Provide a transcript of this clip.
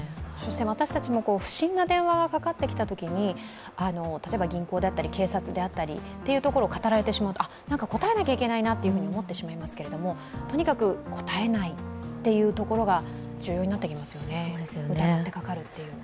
私たちも不審な電話がかかってきたときに、例えば銀行であったり警察であったりというところをかたられてしまうと、あ、なんか答えなきゃいけないなと思ってしまいますけれども、とにかく答えないというところが重要になってきますよね、疑ってかかるという。